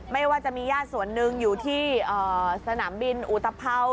ไม่ว่าจะมีญาติส่วนหนึ่งอยู่ที่สนามบินอุตภัวร์